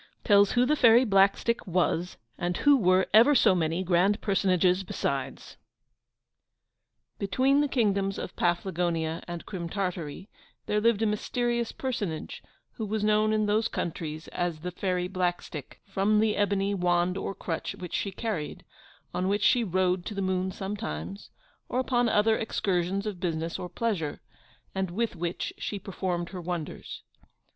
TELLS WHO THE FAIRY BLACKSTICK WAS, AND WHO WERE EVER SO MANY GRAND PERSONAGES BESIDES Between the kingdoms of Paflagonia and Crim Tartary, there lived a mysterious personage, who was known in those countries as the Fairy Blackstick, from the ebony wand or crutch which she carried; on which she rode to the moon sometimes, or upon other excursions of business or pleasure, and with which she performed her wonders.